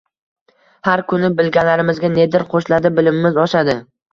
Har kuni bilganlarimizga nedir qo‘shiladi, bilimimiz oshadi